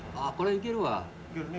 いけるね？